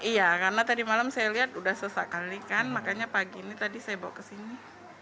iya karena tadi malam saya lihat sudah sesak kali kan makanya pagi ini tadi saya bawa ke sini